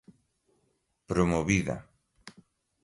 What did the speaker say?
promovida